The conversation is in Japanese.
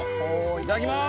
いただきます！